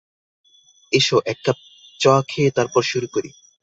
S, এক cup চ খেয়ে তারপর শুরু করি।